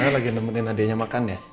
saya lagi nemenin adiknya makan ya